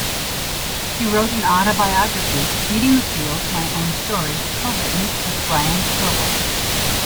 He wrote an autobiography "Beating the Field: My Own Story" co-written with Brian Scovell.